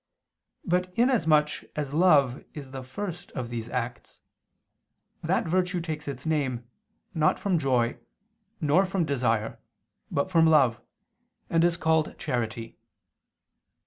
But in as much as love is the first of these acts, that virtue takes its name, not from joy, nor from desire, but from love, and is called charity.